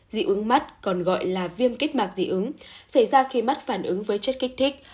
dị ứng mắt còn gọi là viêm kết mạc dị ứng xảy ra khi mắt phản ứng với chất kích thích